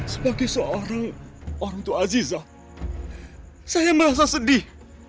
sebagai seorang orangtu aziza saya merasa sedih